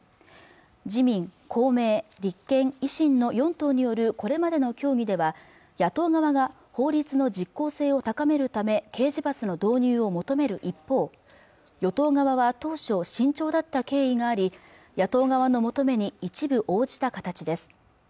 自民・公明・立憲・維新の４党によるこれまでの協議では野党側が法律の実効性を高めるため刑事罰の導入を求める一方与党側は当初慎重だった経緯があり野党側の求めに一部応じた形です